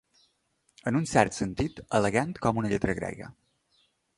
En un cert sentit, elegant com una lletra grega.